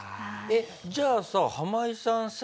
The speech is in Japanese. えっじゃあさハマイさんさ